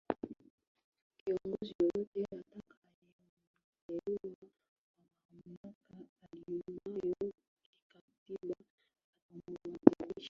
Kiongozi yoyote atakayemteua kwa mamlaka aliyonayo kikatiba atamuwajibisha